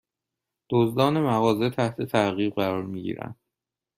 دزدان مغازه تحت تعقیب قرار می گیرند